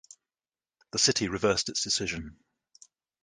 The city reversed its decision.